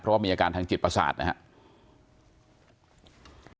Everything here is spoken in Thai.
เพราะว่ามีอาการทางจิตประสาทนะครับ